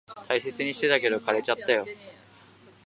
大切にしてたけど、枯れちゃったよ。